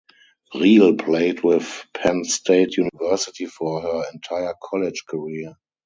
Riehl played with Penn State University for her entire college career.